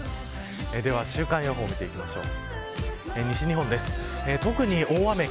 では週間予報を見ていきましょう。